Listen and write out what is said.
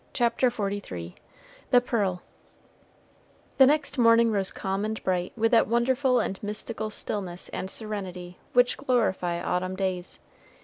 CHAPTER XLIII THE PEARL The next morning rose calm and bright with that wonderful and mystical stillness and serenity which glorify autumn days.